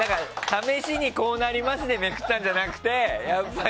試しにこうなりますでめくったんじゃなくて。